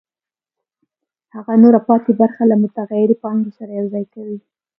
هغه نوره پاتې برخه له متغیرې پانګې سره یوځای کوي